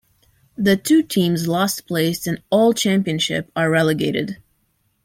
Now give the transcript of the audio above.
The two teams last placed in all championship are relegated.